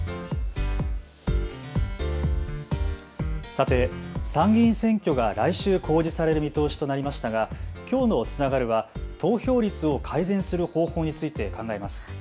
さて参議院選挙が来週公示される見通しとなりましたがきょうのつながるは投票率を改善する方法について考えます。